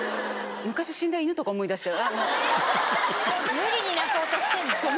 無理に泣こうとしてんの？